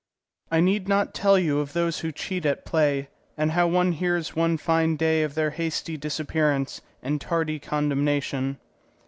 I need not tell you of those who cheat at play, and of how one hears one fine day of their hasty disappearance and tardy condemnation.